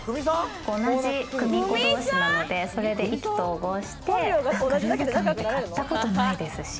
同じクミコ同士なので、それで意気投合して、ルブタンって買ったことないですし。